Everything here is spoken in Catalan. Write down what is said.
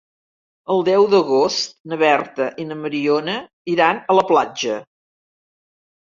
El deu d'agost na Berta i na Mariona iran a la platja.